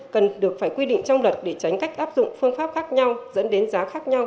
cần được phải quy định trong luật để tránh cách áp dụng phương pháp khác nhau dẫn đến giá khác nhau